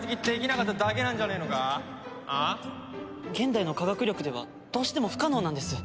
現代の科学力ではどうしても不可能なんです。